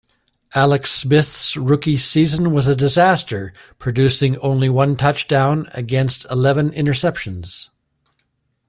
Alex Smith's rookie season was a disaster, producing only one touchdown against eleven interceptions.